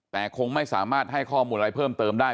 แต่คงไม่สามารถให้ข้อมูลอะไรเพิ่มเติมได้